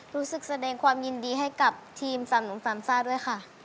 รู้สึกแสดงความยินดีให้กับทีมสามหนุ่มสามซ่าด้วยค่ะ